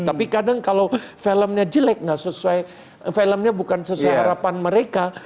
tapi kadang kalau filmnya jelek nggak sesuai filmnya bukan sesuai harapan mereka